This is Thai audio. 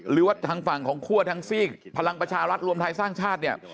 หรือว่าทางฝั่งของคั่วทางซีกพลังประชารัฐรวมไทยสร้างชาติเนี่ย